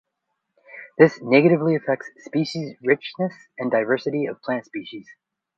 This negatively affects species richness and diversity of plant species.